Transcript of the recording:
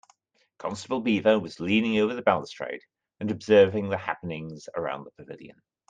Constable Beaver was leaning over the balustrade and observing the happenings around the pavilion.